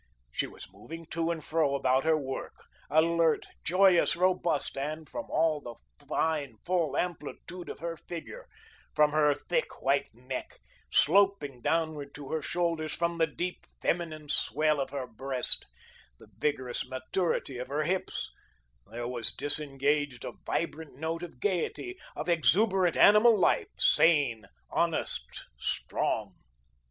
She was moving to and fro about her work, alert, joyous, robust; and from all the fine, full amplitude of her figure, from her thick white neck, sloping downward to her shoulders, from the deep, feminine swell of her breast, the vigorous maturity of her hips, there was disengaged a vibrant note of gayety, of exuberant animal life, sane, honest, strong.